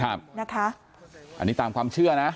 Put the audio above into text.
อันนี้ตามความเชื่อนะ